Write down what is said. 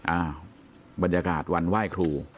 อ้าวบรรยากาศวันไหว้ครู